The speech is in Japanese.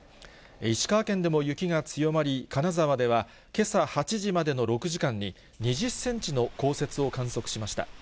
石川県でも雪が強まり、金沢ではけさ８時までの６時間に、２０センチの降雪を観測しました。